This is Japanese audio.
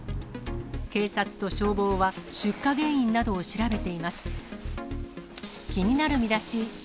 警察と消防は、出火原因などを調べています。